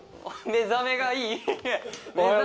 目覚めがいい！